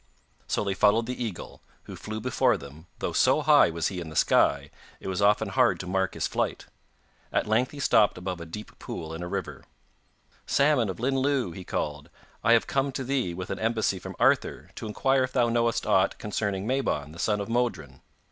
So they followed the eagle, who flew before them, though so high was he in the sky, it was often hard to mark his flight. At length he stopped above a deep pool in a river. 'Salmon of Llyn Llyw,' he called, 'I have come to thee with an embassy from Arthur to inquire if thou knowest aught concerning Mabon the son of Modron.